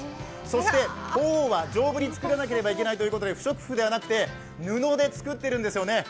そして鳳凰は丈夫に作らなければいけないということで不織布ではなくて布で作っているんですよね。